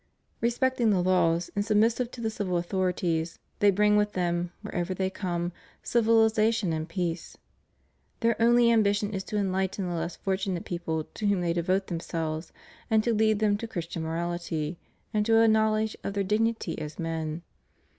Respecting the laws and submissive to the civil authorities, they bring with them, wherever they come, civiHzation and peace; their only ambition is to enhghten the less fortu nate people to whom they devote themselves, and to lead them to Christian morality, and to a knowledge of their dignity as men.